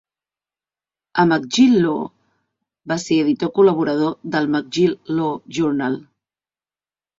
A McGill Law va ser editor col·laborador del 'McGill Law Journal'.